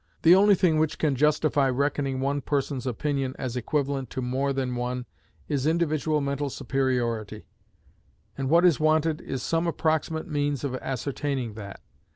The only thing which can justify reckoning one person's opinion as equivalent to more than one is individual mental superiority, and what is wanted is some approximate means of ascertaining that.